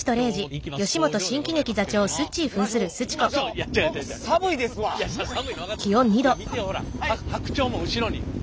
いや見てほら白鳥も後ろに。